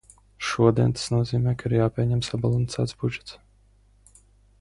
Šodien tas nozīmē, ka ir jāpieņem sabalansēts budžets.